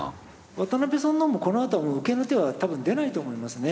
渡辺さんの方もこのあとはもう受けの手は多分出ないと思いますね。